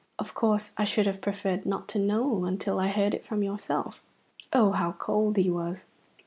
Of course I should have preferred not to know until I heard it from yourself." Oh, how cold he was!